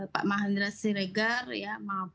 pak mahandra siregar ya